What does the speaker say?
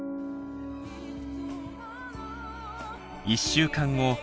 １週間後。